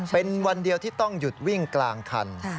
เป็นวันเดียวที่ต้องหยุดวิ่งกลางคัน